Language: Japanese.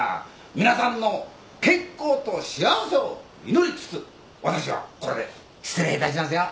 皆さんの健康と幸せを祈りつつわたしはこれで失礼いたしますよ。